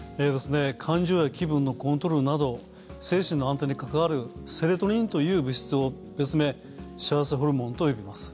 感情や気分のコントロールなど精神の安定に関わるセロトニンという物質を別名・幸せホルモンと呼びます。